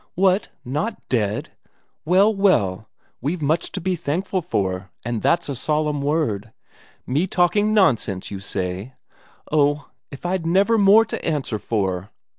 What not dead? Well, well, we've much to be thankful for, and that's a solemn word! Me talking nonsense, you say? Oh, if I'd never more to answer for!